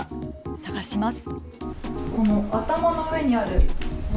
探します。